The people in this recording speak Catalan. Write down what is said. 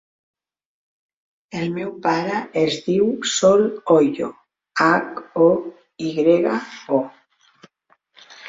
El meu pare es diu Sol Hoyo: hac, o, i grega, o.